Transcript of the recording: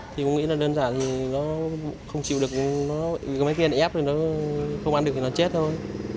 thì cũng nghĩ là đơn giản thì nó không chịu được cái máy pnf thì nó không ăn được thì nó chết thôi